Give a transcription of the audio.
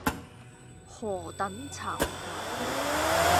何等慚愧。